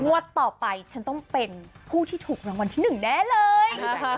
ต่อไปฉันต้องเป็นผู้ที่ถูกรางวัลที่๑แน่เลย